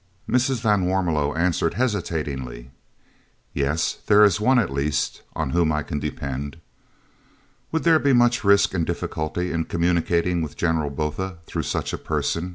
Mrs. van Warmelo answered hesitatingly: "Yes there is one, at least, on whom I can depend." "Would there be much risk and difficulty in communicating with General Botha through such a person?"